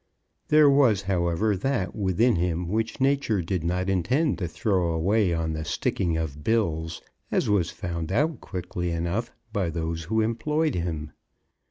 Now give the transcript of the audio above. There was, however, that within him which Nature did not intend to throw away on the sticking of bills, as was found out quickly enough by those who employed him.